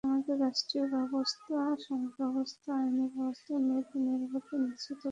আমাদের রাষ্ট্রীয় ব্যবস্থা, সমাজব্যবস্থা, আইনি ব্যবস্থা মেয়েদের নিরাপত্তা নিশ্চিত করতে পারেনি।